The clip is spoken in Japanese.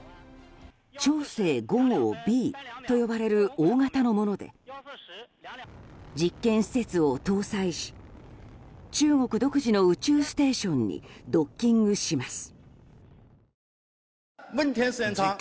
「長征５号Ｂ」と呼ばれる大型のもので実験施設を搭載し中国独自の宇宙ステーションにドッキングします。